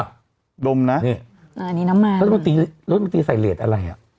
อันนี้น้ำมาโรธบางตีใส่เล็ดอะไร